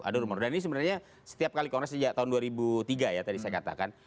dan ini sebenarnya setiap kali kongres sejak tahun dua ribu tiga ya tadi saya katakan